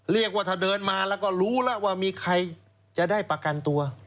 เรียกว่าถ้าเดินมาแล้วก็รู้แล้วว่ามีใครจะได้ประกันตัว